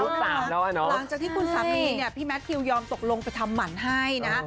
ลูกสามแล้วอ่ะเนอะหลังจากที่คุณสามีนี่นี่พี่แมททิวยอมตกลงไปทำหมันให้นะ